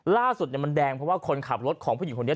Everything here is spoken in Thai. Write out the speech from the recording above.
ล่าสุดมันแดงเพราะว่าคนขับรถของผู้หญิงคนนี้